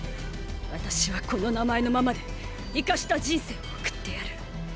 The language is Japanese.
私はこの名前のままでイカした人生を送ってやる。